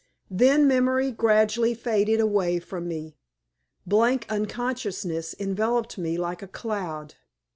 Then memory gradually faded away from me. Blank unconsciousness enveloped me like a cloud.